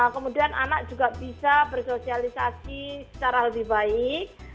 kemudian anak juga bisa bersosialisasi secara lebih baik